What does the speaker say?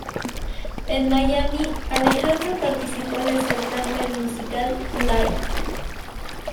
En Miami, Alejandro participó en el certamen musical "Live!